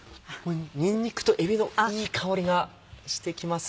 にんにくとえびのいい香りがしてきますね。